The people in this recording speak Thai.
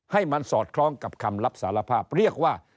ให้มันสอดคล้องกับคำรับสารภาพเรียกว่า